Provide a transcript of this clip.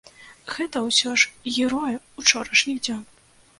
Гэта ўсё ж героі ўчорашніх дзён.